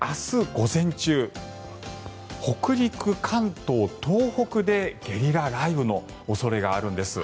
午前中北陸、関東、東北でゲリラ雷雨の恐れがあるんです。